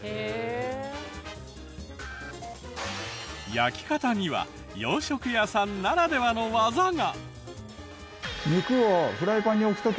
焼き方には洋食屋さんならではの技が。